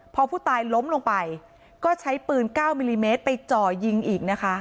พอผู้ตายล้มลงไปก็ใช้ปืน๙มิลลิเมตรไปจ่อยิงอีกนะคะ